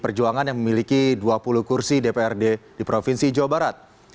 perjuangan yang memiliki dua puluh kursi dprd di provinsi jawa barat